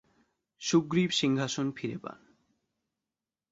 সুগ্রীব সিংহাসন ফিরে পান।